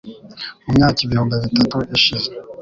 mu myaka ibihumbi bitatu ishize